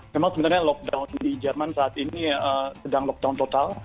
memang sebenarnya lockdown di jerman saat ini sedang lockdown total